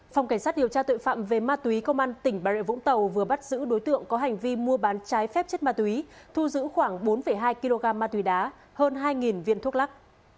phòng cảnh sát điều tra tội phạm về ma túy công an tỉnh bà rịa vũng tàu vừa bắt giữ đối tượng có hành vi mua bán trái phép chất ma túy thu giữ khoảng bốn hai kg ma túy đá hơn hai viên thuốc lắc